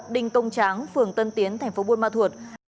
đình công tráng phường tân tiến thành phố buôn ma thuột